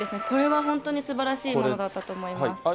これは本当にすばらしいものだったと思います。